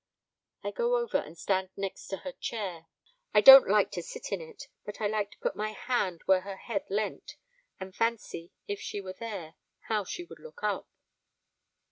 I go over and stand next to her chair; I don't like to sit in it, but I like to put my hand where her head leant, and fancy, if she were there, how she would look up.